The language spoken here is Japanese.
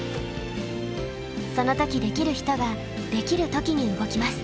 その時できる人ができる時に動きます。